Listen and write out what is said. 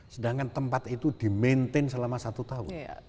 sedangkan tempat itu di maintain selama satu tahun